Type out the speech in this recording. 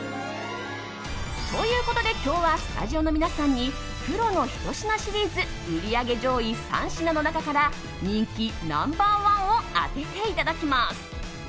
ということで今日はスタジオの皆さんにプロのひと品シリーズ売り上げ上位３品の中から人気ナンバー１を当てていただきます。